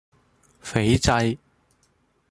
斐濟